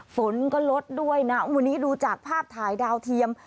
ฝนก็ลดด้วยนะวันนี้ดูจากภาพถ่ายดาวเทียม